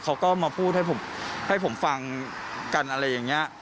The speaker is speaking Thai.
เขาก็มาพูดให้ผมฟังกันอะไรอย่างนี้